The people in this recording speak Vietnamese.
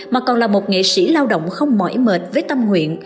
mà còn là một nghệ sĩ lao động không mỏi mệt với tâm nguyện